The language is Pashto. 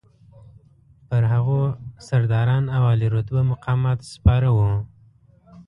پر هغو سرداران او عالي رتبه مقامات سپاره وو.